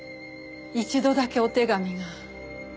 一度だけお手紙が。